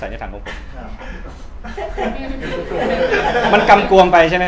พิไลน์คุณพิไลน์คุณพิไลน์คุณ